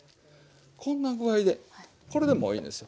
こんな具合でこれでもういいです。